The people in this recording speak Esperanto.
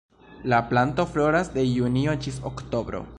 La planto floras de junio ĝis oktobro.